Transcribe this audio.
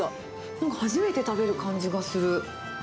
なんか初めて食べる感じがする。